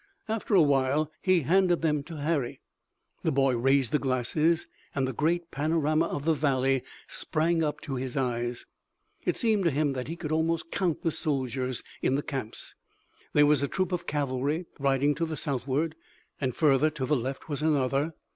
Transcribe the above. After a while he handed them to Harry. The boy raised the glasses and the great panorama of the valley sprang up to his eyes. It seemed to him that he could almost count the soldiers in the camps. There was a troop of cavalry riding to the southward, and further to the left was another.